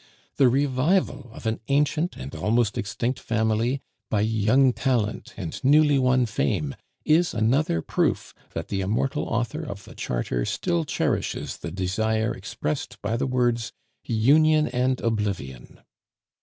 The revival of an ancient and almost extinct family by young talent and newly won fame is another proof that the immortal author of the Charter still cherishes the desire expressed by the words 'Union and oblivion.